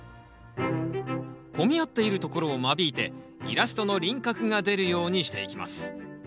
混み合っているところを間引いてイラストの輪郭が出るようにしていきます。